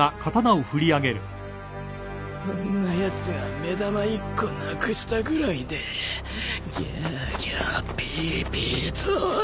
そんなやつが目玉１個なくしたぐらいでギャアギャアピーピーと。